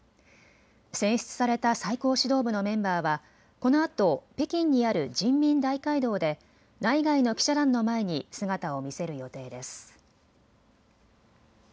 選出された最高指導部のメンバーはこのあと北京にある人民大会堂で内外の記者団の前に姿を見せる予定です。